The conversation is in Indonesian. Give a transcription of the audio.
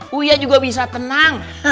huya juga bisa tenang